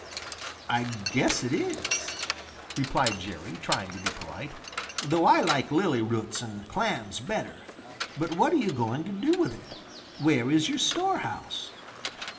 "I guess it is," replied Jerry, trying to be polite, "though I like lily roots and clams better. But what are you going to do with it? Where is your storehouse?"